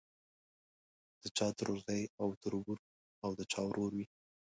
د چا ترورزی او تربور او د چا ورور وي.